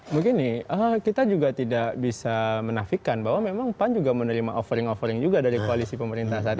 begini kita juga tidak bisa menafikan bahwa memang pan juga menerima offering offering juga dari koalisi pemerintah saat ini